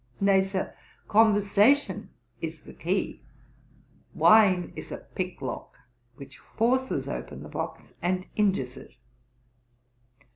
'Nay, Sir, conversation is the key: wine is a pick lock, which forces open the box and injures it.